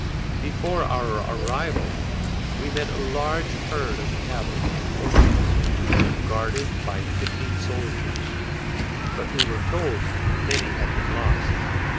Before our arrival we met a large herd of cattle and horses, guarded by fifteen soldiers; but we were told many had been lost.